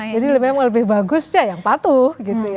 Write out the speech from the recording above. jadi memang lebih bagusnya yang patuh